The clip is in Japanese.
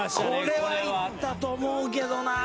これはいったと思うけどな。